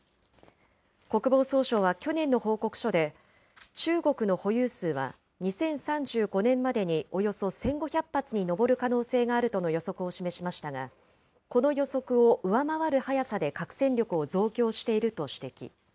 国防総省は去年の報告書で、中国の保有数は２０３５年までにおよそ１５００発に上る可能性があるとの予測を示しましたが、この予測を上回る速さで核戦力を増強していると指摘。